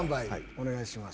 お願いします。